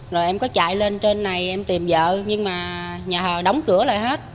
rồi em có chạy lên trên này em tìm vợ nhưng mà nhà thờ đóng cửa lại hết